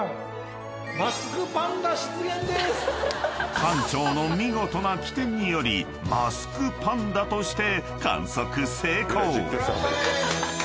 ［館長の見事な機転によりマスクパンダとして観測成功］